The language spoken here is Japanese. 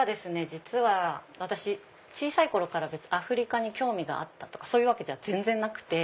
実は私小さい頃からアフリカに興味があったとかそういうわけじゃ全然なくて。